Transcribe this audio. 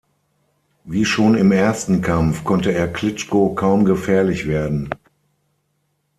Wie schon im ersten Kampf konnte er Klitschko kaum gefährlich werden.